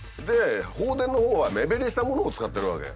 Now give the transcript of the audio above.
放電のほうは目減りしたものを使ってるわけ。